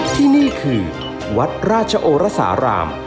ที่นี่คือวัดราชโอรสาราม